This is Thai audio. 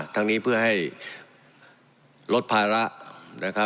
ทั้งนี้เพื่อให้ลดภาระ